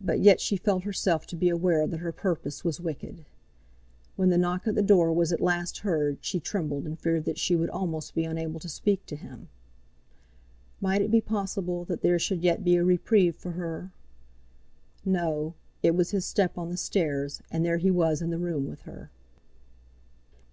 But yet she felt herself to be aware that her purpose was wicked. When the knock at the door was at last heard she trembled and feared that she would almost be unable to speak to him. Might it be possible that there should yet be a reprieve for her? No; it was his step on the stairs, and there he was in the room with her.